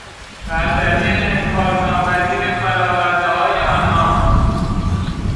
برتری انکارناپذیر فرآوردههای آنها